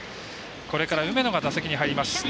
これから梅野が打席に入ります。